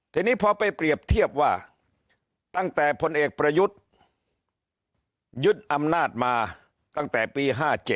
ทีนี้พอไปเปรียบเทียบว่าตั้งแต่พลเอกประยุทธ์ยึดอำนาจมาตั้งแต่ปี๕๗